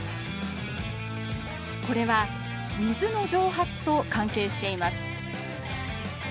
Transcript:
これは水の蒸発と関係しています